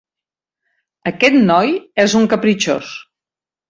Aquest noi és un capritxós.